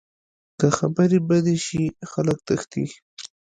که خبرې بدې شي، خلک تښتي